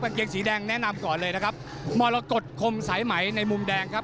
เกงสีแดงแนะนำก่อนเลยนะครับมรกฏคมสายไหมในมุมแดงครับ